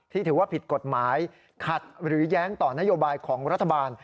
ถือว่าผิดกฎหมายขัดหรือแย้งต่อนโยบายของรัฐบาล